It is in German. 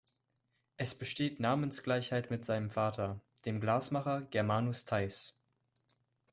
Es besteht Namensgleichheit mit seinem Vater, dem Glasmacher Germanus Theiß.